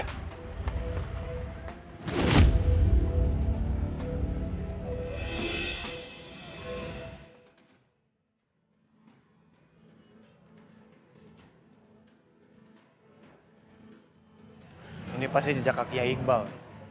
dia pasti sembunyi di dalam